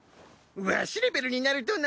わしレベルになるとな